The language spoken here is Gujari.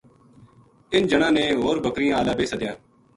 اِن جناں نے ھور بکریاں ہالا بے سدیا